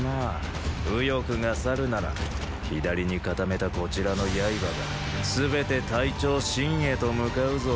右翼が去るなら左に固めたこちらの刃が全て隊長信へと向かうぞ！